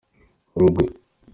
Rugwe